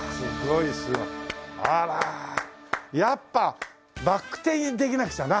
やっぱバク転できなくちゃな。